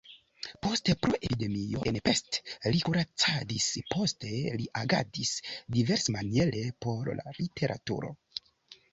Poste pro epidemio en Pest li kuracadis, poste li agadis diversmaniere por la literaturo.